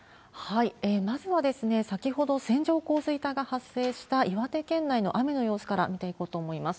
まずは、先ほど線状降水帯が発生した岩手県内の雨の様子から見ていこうと思います。